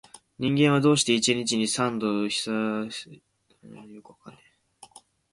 人間は、どうして一日に三度々々ごはんを食べるのだろう